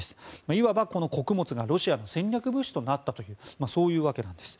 いわば穀物がロシアの戦略物資となったとそういうわけなんです。